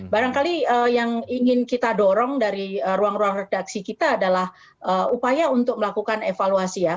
barangkali yang ingin kita dorong dari ruang ruang redaksi kita adalah upaya untuk melakukan evaluasi ya